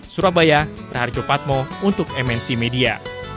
surabaya raharjo patmo untuk mnc media